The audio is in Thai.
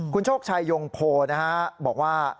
คุณโชคชายงโพบอกว่า